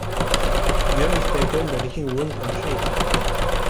Gum is taken by licking wounds on trees.